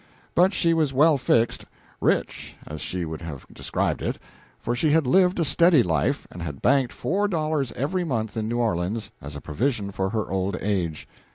But she was well fixed rich, as she would have described it; for she had lived a steady life, and had banked four dollars every month in New Orleans as a provision for her old age.